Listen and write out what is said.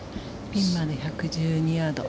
ピンまで１１２ヤード。